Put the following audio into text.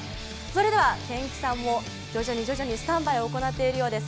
それでは賢希さんも徐々にスタンバイを行っているようです。